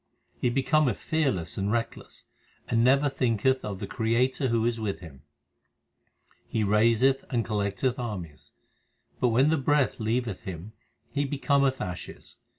He becometh fearless and reckless, And never thinketh of the Creator who is with him. He raiseth and collecteth armies, But when the breath leaveth him he becometh ashes.